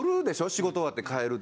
仕事終わって帰るって。